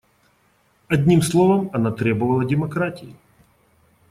Одним словом, она требовала демократии.